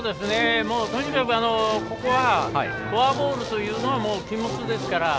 もう、とにかくここはフォアボールというのは禁物ですから。